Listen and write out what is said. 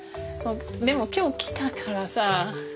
でも今日来たからさ。